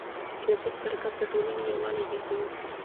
سیاسي مشارکت د ټولنې یووالی زیاتوي